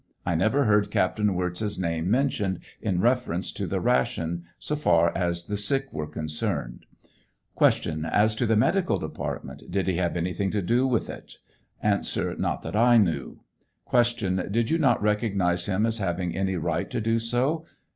I never heard Captain Wirz's name mentioned m reference to the ration, so far as the sick were concerned. Q. As to the medical department, did he have anything to do with it I A. Not that I knew. Q. Did you not recognize him as having any right to do so?